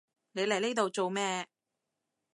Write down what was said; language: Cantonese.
你嚟呢度做咩？